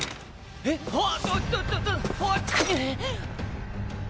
えっ？